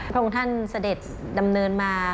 พระองค์ท่านเสด็จดำเนินมา